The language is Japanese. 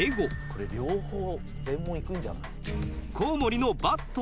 これ両方全問いくんじゃない？